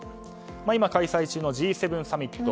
今、開催中のＧ７サミット。